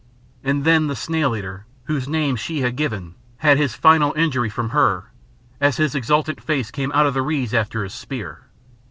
And then the Snail eater, whose name she had given, had his final injury from her, as his exultant face came out of the reeds after his spear.